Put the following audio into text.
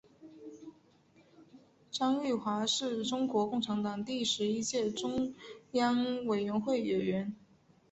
张玉华是中国共产党第十一届中央委员会委员。